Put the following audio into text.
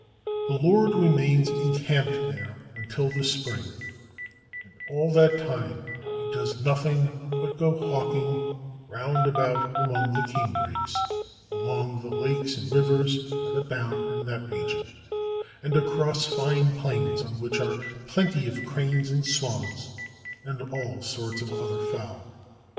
The lord remains encamped there until the spring, and all thaj: time he does nothing but go hawking round III CHINA about among the canebrakes along the lakes and rivers that abound in that region, and across fine plains on which are plenty of cranes and swans, and all sorts of other fowl.